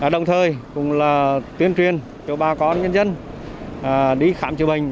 đồng thời cũng là tuyên truyền cho bà con nhân dân đi khám chữa bệnh